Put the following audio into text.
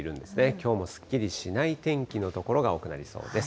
きょうもすっきりしない天気の所が多くなりそうです。